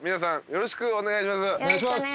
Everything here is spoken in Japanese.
よろしくお願いします。